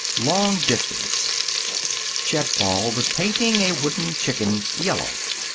Long Distance Chet Ball was painting a wooden chicken yellow.